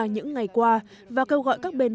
những ngày qua và kêu gọi các bên